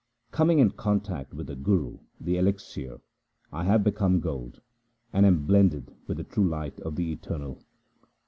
Coming in contact with the Guru the elixir, I have become gold, and am blended with the pure light of the Eternal.